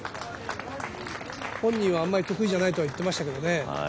本人はあんまり得意じゃないって言ってましたけどね。